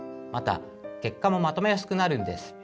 また結果もまとめやすくなるんです。